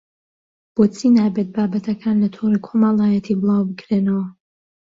بۆچی نابێت بابەتەکان لە تۆڕی کۆمەڵایەتی بڵاوبکرێنەوە